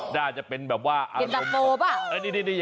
น่าจะเป็นแบบว่าอารมณ์คล้ายเจนตะโฟป่ะ